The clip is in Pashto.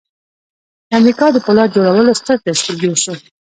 د امریکا د پولاد جوړولو ستر تشکیل جوړ شو